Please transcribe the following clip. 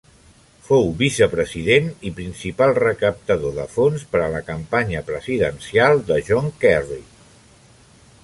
Fou vicepresident i principal recaptador de fons per a la campanya presidencial de John Kerry.